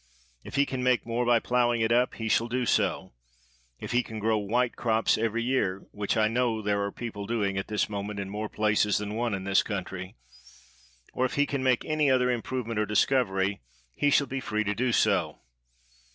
If he can make more by plowing it up he shall do so; if he can grow white crops every year — which I know there are people doing at this moment in more places than one in this country — or if he can make any other improvement or discovery, he shall be free to do so.